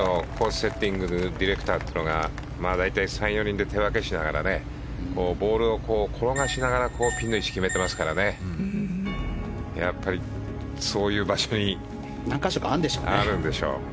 セッティングのディレクターが大体３４人で手分けしながらボールを転がしながらピンの位置を決めていますからそういう場所に何箇所かあるんでしょうね。